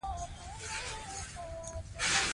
موږ باید له زمانې سره سم لاړ شو.